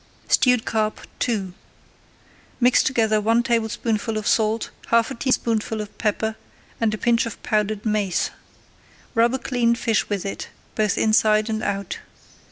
STEWED CARP II Mix together one tablespoonful of salt, half a teaspoonful of pepper, and a pinch of powdered mace. Rub a cleaned fish with it, both inside and out.